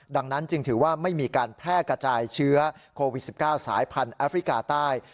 ดังนั้นจึงถือว่าไม่มีการแพร่กระจายเชื้อโควิด๑๙สายพันธุ์แอฟริกาใต้